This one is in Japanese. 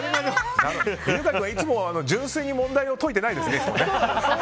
犬飼君はいつも純粋に問題を解いていないですね。